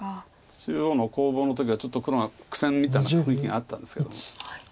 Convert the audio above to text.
中央の攻防の時はちょっと黒が苦戦みたいな雰囲気があったんですけども。